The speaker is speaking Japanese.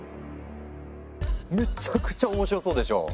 めちゃくちゃ面白そうでしょ。